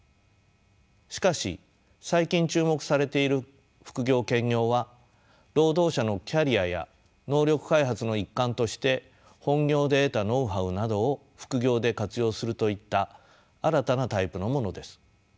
しかし最近注目されている副業・兼業は労働者のキャリアや能力開発の一環として本業で得たノウハウなどを副業で活用するといった新たなタイプのものです。